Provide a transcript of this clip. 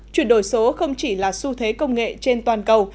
chuyển đổi số không chỉ là xu thế công nghệ trên toàn cầu